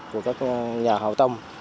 của các nhà hậu tâm